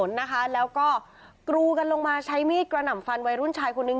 แล้วก็กรูกันลงมาใช้มีดกระหน่ำฟันวัยรุ่นชายคนนึง